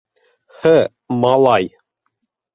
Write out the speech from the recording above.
Һы, малай...